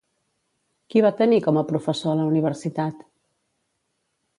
Qui va tenir com a professor a la universitat?